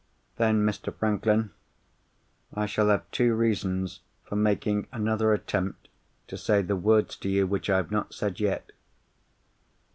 "Then, Mr. Franklin, I shall have two reasons for making another attempt to say the words to you which I have not said yet.